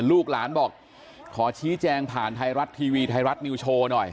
ลูกหลานบอกขอชี้แจงผ่านไทยรัฐทีวีไทยรัฐนิวโชว์หน่อย